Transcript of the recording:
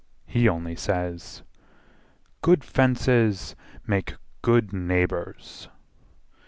He only says, "Good fences make good neighbours."